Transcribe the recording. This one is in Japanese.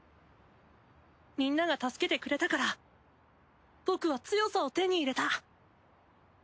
みんなが助けてくれたから僕は強さを手に入れた。